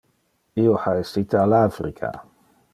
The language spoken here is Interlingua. Io ha essite al Africa.